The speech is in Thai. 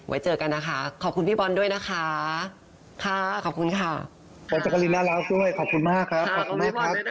ไว้เจอกันนะคะขอบคุณพี่บอลด้วยนะคะค่ะขอบคุณค่ะขอบคุณมากครับขอบคุณพี่บอลด้วยนะคะ